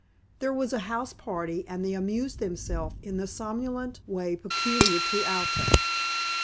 There was a house party and they amused themselves in the somnolent way peculiar to Alta.